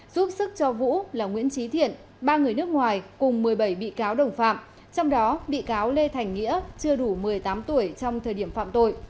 giúp sức cho vũ là nguyễn trí thiện ba người nước ngoài cùng một mươi bảy bị cáo đồng phạm trong đó bị cáo lê thành nghĩa chưa đủ một mươi tám tuổi trong thời điểm phạm tội